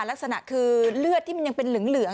ลักษณะคือเลือดที่มันยังเป็นเหลือง